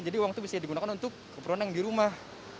jadi uang itu bisa digunakan untuk keperoneng di rumah